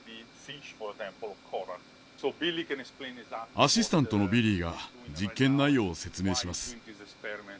アシスタントのビリーが実験内容を説明します。